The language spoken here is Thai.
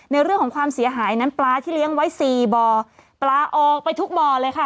เรื่องของความเสียหายนั้นปลาที่เลี้ยงไว้สี่บ่อปลาออกไปทุกบ่อเลยค่ะ